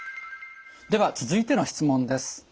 では続いての質問です。